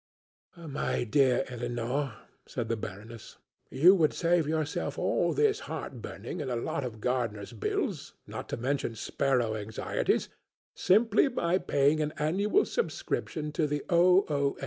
"My dear Elinor," said the Baroness, "you would save yourself all this heart burning and a lot of gardener's bills, not to mention sparrow anxieties, simply by paying an annual subscription to the O.